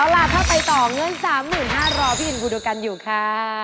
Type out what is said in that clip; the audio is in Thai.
เอาล่ะถ้าไปต่อเงิน๓๕๐๐บาทรอพี่อินบูโดกันอยู่ค่ะ